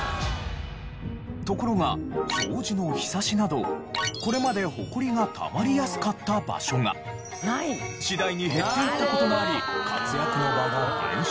ところが障子のひさしなどこれまでホコリがたまりやすかった場所が次第に減っていった事もあり活躍の場が減少。